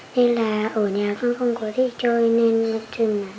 nên là ở nhà con không có đi chơi nên chừng nắng